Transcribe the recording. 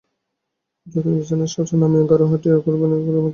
যতীন বিছানার পাশে নামিয়া হাঁটু গাড়িয়া বসিল, কুড়ানির হাতের কাছে মাথা নত করিয়া রাখিল।